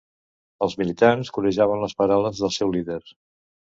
Els militants corejaven les paraules del seu líder.